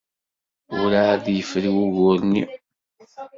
Werɛad ur yefri wugur-nni.